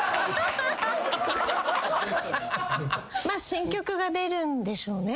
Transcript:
新曲が出るんでしょうね